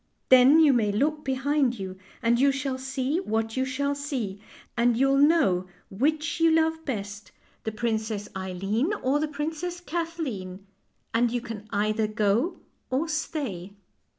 Then you may look behind you, and you shall see what you shall see, and you'll know which you love best, the Princess 138 FAIEY TALES Eileen or the Princess Kathleen, and you can either go or stay."